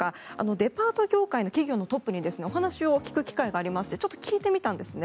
デパート業界の企業のトップにお話を聞く機会がありましてちょっと聞いてみたんですね。